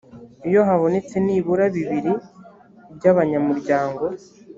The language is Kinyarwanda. iyo habonetse nibura bibiri byabanyamuryango.